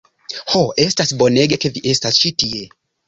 Ho, estas bonege ke vi estas ĉi tie.